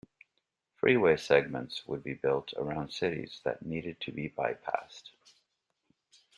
Freeway segments would be built around cities that needed to be bypassed.